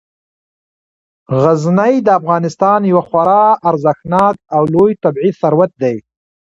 غزني د افغانستان یو خورا ارزښتناک او لوی طبعي ثروت دی.